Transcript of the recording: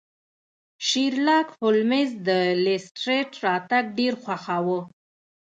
شیرلاک هولمز د لیسټرډ راتګ ډیر خوښاوه.